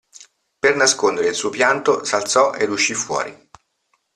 Per nascondere il suo pianto s'alzò ed uscì fuori.